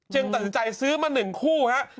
จึงตัดสินใจซื้อมา๑คู่ครับ